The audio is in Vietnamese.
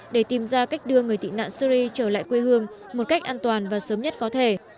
để tìm ra cách đưa người tị nạn syri trở lại quê hương một cách an toàn và sớm nhất có thể